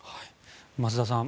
増田さん